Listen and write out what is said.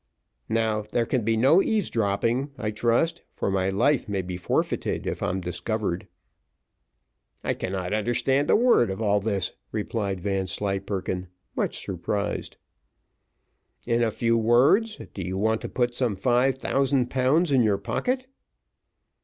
"Now there can be no eavesdropping, I trust, for my life may be forfeited, if I'm discovered." "I cannot understand a word of all this," replied Vanslyperken, much surprised. "In a few words, do you want to put some five thousand pounds in your pocket?"